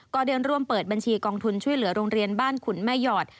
ก็เดินร่วมเปิดบัญชีกองทุนช่วยเหลือโรงเรียนบ้านขุนแม่หยอด